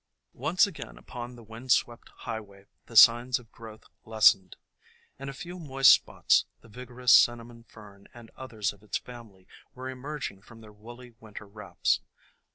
Once again upon the windswept highway, the signs of growth lessened. In a few moist spots the 3O THE COMING OF SPRING vigorous Cinnamon Fern and others of its family were emerging from their woolly winter wraps.